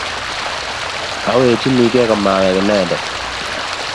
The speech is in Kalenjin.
Awechinigei komawek inendet